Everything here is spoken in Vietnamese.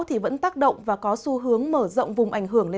thì vẫn tác động và có xu hướng mở rộng vùng